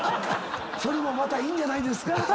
それもまたいいんじゃないですか。